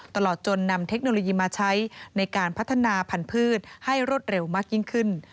ตลอดจนนำเทคโนโลยีมาใช้ในการพัฒนาพันธุ์ให้รวดเร็วมากยิ่งขึ้น